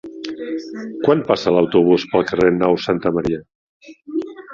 Quan passa l'autobús pel carrer Nau Santa Maria?